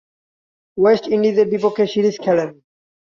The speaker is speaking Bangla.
ওয়েস্ট ইন্ডিজের বিপক্ষে সিরিজ খেলেন।